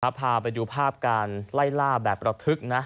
พาไปดูภาพการไล่ล่าแบบระทึกนะ